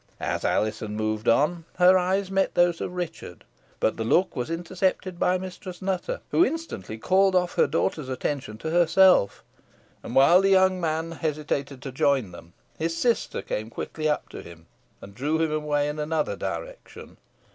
As Alizon moved on, her eyes met those of Richard but the look was intercepted by Mistress Nutter, who instantly called off her daughter's attention to herself; and, while the young man hesitated to join them, his sister came quickly up to him, and drew him away in another direction.